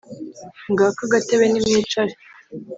“Ngako agatebe nimwicare.”